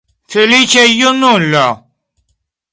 Feliĉa junulo!